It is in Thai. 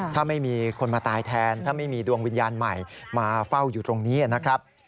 ถ้าไม่มีคนมาตายแทนถ้าไม่มีดวงวิญญาณใหม่มาเฝ้าอยู่ตรงนี้นะครับ